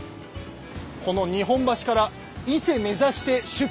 この日本橋から伊勢目指して出発します。